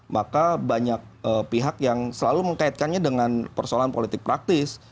maka banyak pihak yang selalu mengkaitkannya dengan persoalan politik praktis